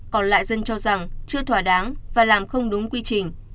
còn lại dân cho rằng chưa thỏa đáng và làm không đúng quy trình